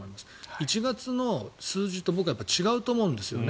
１月の数字と違うと思うんですよね。